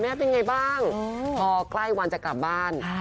แม่เป็นอย่างไรบ้างพอใกล้วันจะกลับบ้าน